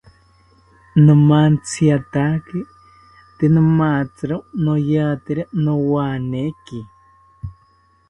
Nomantziatake tee nomatziro noyatero nowaneki